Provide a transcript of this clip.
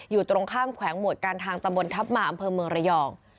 อยู่ตรงข้ามแขวงหมวดการทางตำบลทัพมาอำเภอเมืองระยอง